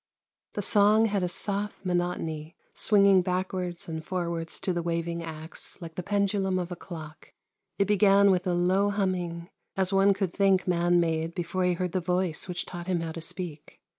The song had a soft monotony, swinging backwards and forwards to the waving axe like the pendulum of a clock. It began with a low humming, as one could think man made before he heard the Voice which taught him how to speak.